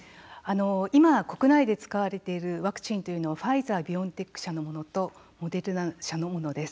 今、国内で使われているワクチンというのはファイザービオンテック社のものとモデルナ社のものです。